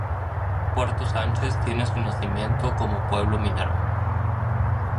Puerto Sánchez tiene su nacimiento como pueblo minero.